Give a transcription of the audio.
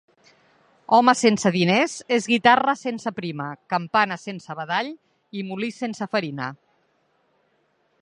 Home sense diners és guitarra sense prima, campana sense badall, i molí sense farina.